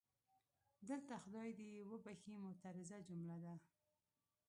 دلته خدای دې یې وبښي معترضه جمله ده.